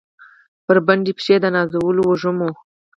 بربنډې پښې د نازولو وږمو